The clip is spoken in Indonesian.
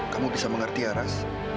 kamu bisa mengerti laras